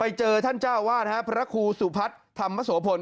ไปเจอท่านเจ้าวาดฮะพระครูสุพัฒน์ธรรมโสพล